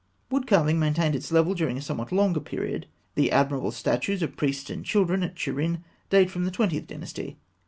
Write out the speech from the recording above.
Wood carving maintained its level during a somewhat longer period. The admirable statuettes of priests and children at Turin date from the Twentieth Dynasty.